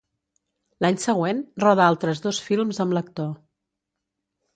L'any següent, roda altres dos films amb l'actor.